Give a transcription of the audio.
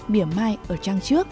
bỉa mai ở trang trước